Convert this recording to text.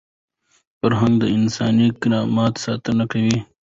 فرهنګ د انساني کرامت ساتنه کوي.